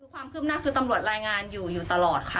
ความคืบหน้าคือตำรวจรายงานอยู่อยู่ตลอดค่ะ